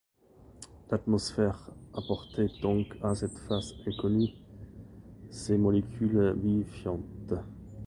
L’atmosphère apportait donc à cette face inconnue ses molécules vivifiantes?